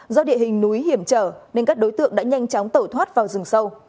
do địa hình núi hiểm trở nên các đối tượng đã nhanh chóng tẩu thoát vào rừng sâu